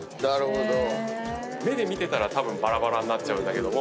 目で見てたらばらばらになっちゃうんだけども。